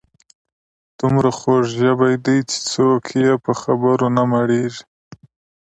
دومره خوږ ژبي دي چې څوک یې په خبرو نه مړیږي.